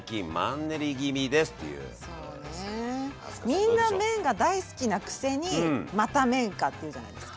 みんな麺が大好きなくせに「また麺か」って言うじゃないですか。